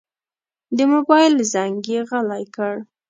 د موبایل زنګ یې غلی کړ.